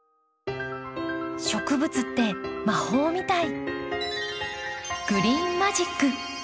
植物って魔法みたい。